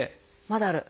まだある？